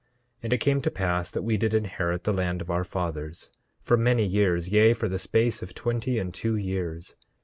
10:3 And it came to pass that we did inherit the land of our fathers for many years, yea, for the space of twenty and two years.